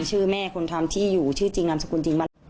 ชื่อแม่คนทำที่อยู่ชื่อจริงนามสกุลจริง